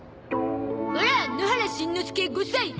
オラ野原しんのすけ５歳。